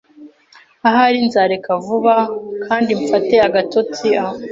Ahari nzareka vuba kandi mfate agatotsi aho.